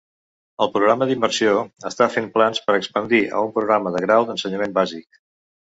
El programa d'immersió està fent plans per expandir a un programa de grau d'ensenyament bàsic.